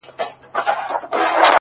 نه _نه محبوبي زما _